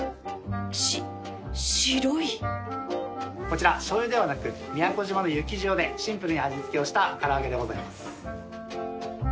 し白いこちらしょうゆではなく宮古島の雪塩でシンプルに味付けをした唐揚げでございます。